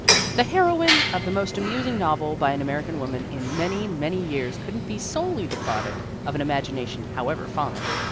The heroine of the most amusing novel by an American woman in many, many years couldn't be solely the product of an imagination how ever fine.